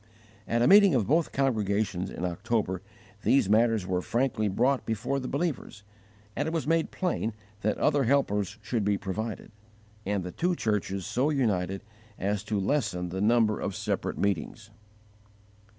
At a meeting of both congregations in October, these matters were frankly brought before the believers, and it was made plain that other helpers should be provided, and the two churches so united as to lessen the number of separate meetings.